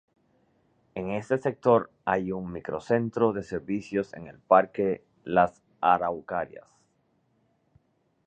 En este sector hay un microcentro de servicios en el parque Las Araucarias.